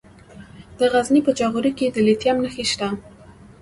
د غزني په جاغوري کې د لیتیم نښې شته.